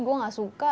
gue gak suka